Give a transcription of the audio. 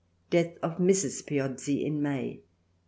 Death of Mrs. Piozzi in May.